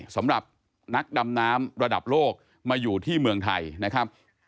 สำหรับนักดำน้ำระดับโลกมาอยู่ที่เมืองไทยนะครับ